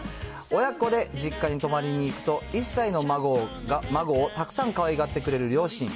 親子で実家に泊まりに行くと１歳の孫をたくさんかわいがってくれる両親。